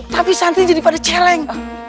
tapi santri jadi pada celeng